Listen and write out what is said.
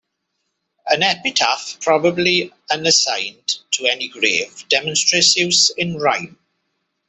An epitaph, probably unassigned to any grave, demonstrates use in rhyme.